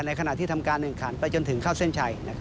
ขณะที่ทำการแข่งขันไปจนถึงเข้าเส้นชัย